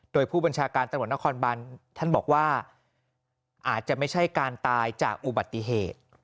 โดยผู้บัญชาการตำรวจนครบานท่านบอกว่าอาจจะไม่ใช่การตายจากอุบัติเหตุ